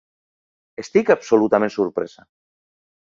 Estic absolutament sorpresa.